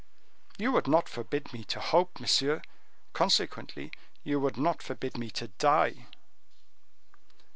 "You would not forbid me to hope, monsieur; consequently you would not forbid me to die."